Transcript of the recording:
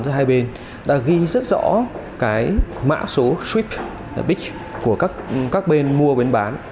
giữa hai bên đã ghi rất rõ mã số swift của các bên mua bên bán